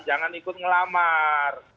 jangan ikut ngelamar